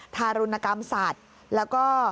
ทารุณกรรมสัตว์แล้วก็